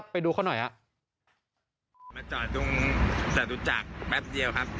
ไปดูเขาหน่อยฮะมาจอดตรงจตุจักรแป๊บเดียวครับ